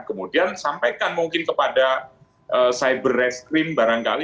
kemudian sampaikan mungkin kepada cyber race crime barangkali